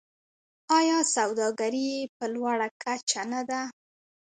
آیا سوداګري یې په لوړه کچه نه ده؟